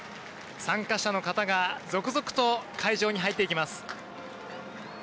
参加者の方が続々と会場に入っていきます。